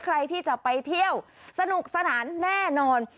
ใครที่จะไปเที่ยวสนุกสนานแน่นอน